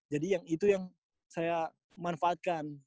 jadi itu yang saya manfaatkan